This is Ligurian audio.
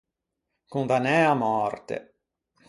Condannæ à mòrte.